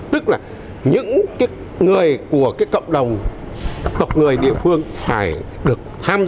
tức là những cái người của cái cộng đồng tộc người địa phương phải được tham gia thực tế vào cái bảo tồn thiên nhiên